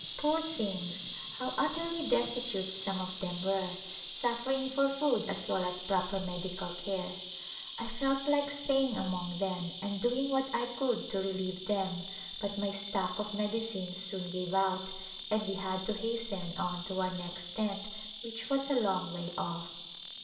Poor things, how utterly destitute some of them were, suffering for food as well as proper medical care. I felt like staying among them and doing what I could to relieve them but my stock of medicines soon gave A Glimpse of India out and we had to hasten on to our next tent which was a long way ofF.